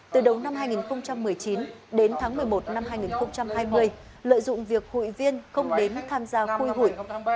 từ đầu năm hai nghìn một mươi chín đến tháng một mươi một năm hai nghìn hai mươi lợi dụng việc hụi viên không đến tham gia hi hội